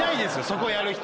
そこやる人。